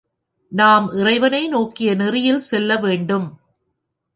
நாம் இறைவனை நோக்கிய நெறியில் செல்லவேண்டும்.